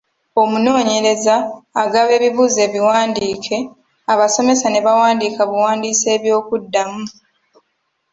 "Omunoonyereza agaba ebibuuzo ebiwandiike, abasomesa ne bawandiika buwandiisi eby’okuddamu."